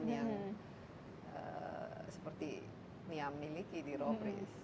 pengumpulan yang seperti niam miliki di robres